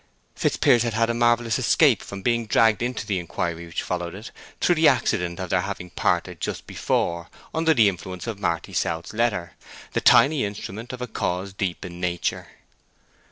Fitzpiers had had a marvellous escape from being dragged into the inquiry which followed it, through the accident of their having parted just before under the influence of Marty South's letter—the tiny instrument of a cause deep in nature.